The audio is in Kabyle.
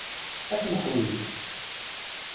Ad t-neḥwij.